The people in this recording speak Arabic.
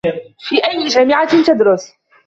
في أي جامعة تدرس؟